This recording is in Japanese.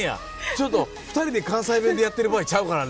ちょっと２人で関西弁でやってる場合ちゃうからね。